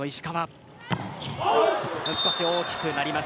少し大きくなります。